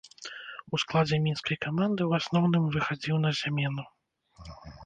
У складзе мінскай каманды ў асноўным выхадзіў на замену.